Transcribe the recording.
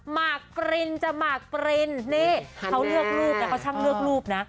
มาร์คปริ้นจะมาร์คปริ้นเขาเลือกรูปนะเขาช่างเลือกรูปนะ